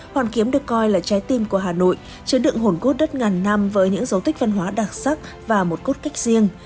hoàn kiếm được coi là trái tim của hà nội chứa đựng hồn cốt đất ngàn năm với những dấu tích văn hóa đặc sắc và một cốt cách riêng